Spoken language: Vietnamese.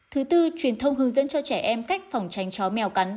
thứ tư truyền thông hướng dẫn cho trẻ em cách phòng tránh chó mèo cắn